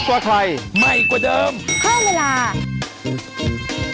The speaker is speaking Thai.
โปรดติดตามตอนต่อไป